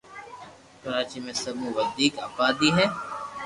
ڪراچي ۾ سب مون وديڪ آبادي ھي